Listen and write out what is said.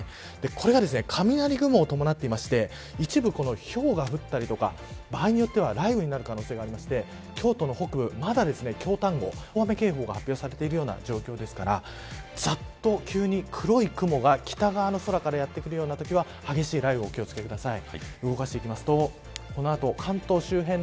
これが雷雲を伴っていて一部ひょうが降ったりとか場合によっては雷雨になる可能性がありまして京都の北部、まだ京丹後大雨警報が発表されている状況ですからざっと急に黒い雲が北側の空からやってくるようなときは激しい雷雨にお気を付けください。